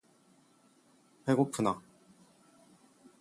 "배 고프나?"